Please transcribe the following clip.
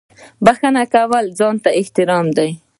• بښنه کول ځان ته احترام دی.